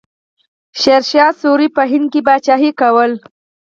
شیرشاه سوري په هند کې پاچاهي کړې.